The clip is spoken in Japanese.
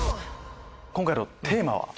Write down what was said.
今回のテーマは？